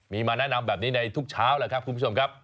มีมาแนะนำแบบนี้ในทุกเช้าแหละครับคุณผู้ชมครับ